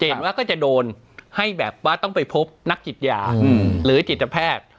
เห็นว่าก็จะโดนให้แบบว่าต้องไปพบนักจิตยาหรือจิตแพทย์